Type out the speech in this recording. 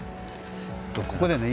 ここでね